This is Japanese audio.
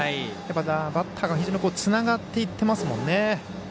バッターが非常につながっていってますもんね。